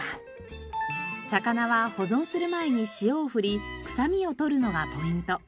魚は保存する前に塩を振り臭みを取るのがポイント。